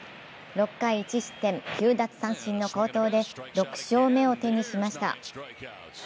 ６回１失点９奪三振の好投で６勝目を手にしました。